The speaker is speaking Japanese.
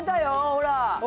ほら。